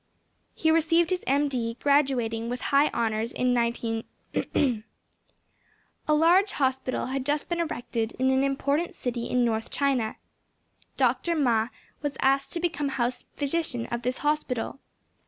He received his M.D., graduating with high honors in 19—. A large hospital had just been erected in an important city in North China. Dr. Ma was asked to become house physician of this hospital.